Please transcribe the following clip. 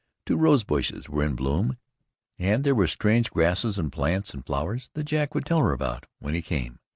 Two rose bushes were in bloom, and there were strange grasses and plants and flowers that Jack would tell her about when he came.